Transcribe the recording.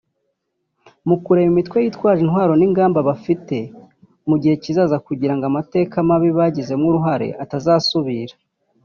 mu kurema imitwe yitwaje intwaro n’ingamba bafite mu gihe kizaza kugira ngo amateka mabi bagizemo uruhare atazasubira